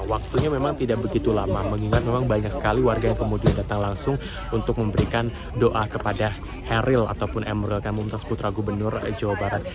waktunya memang tidak begitu lama mengingat memang banyak sekali warga yang kemudian datang langsung untuk memberikan doa kepada eril ataupun emeril kan mumtaz putra gubernur jawa barat